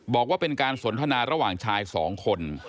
บอกว่าเป็นการสนทนาระหว่างชายสองคน